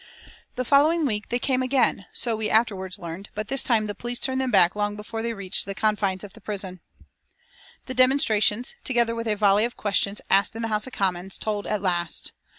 The following week they came again, so we afterwards learned, but this time the police turned them back long before they reached the confines of the prison. The demonstrations, together with a volley of questions asked in the House of Commons, told at last.